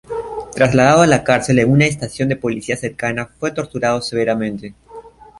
Trasladado a la cárcel en una estación de policía cercana fue torturado severamente.